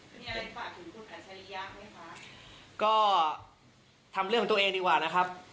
มีอะไรฝากถึงคุณอัชริยะไหมคะก็ทำเรื่องของตัวเองดีกว่านะครับ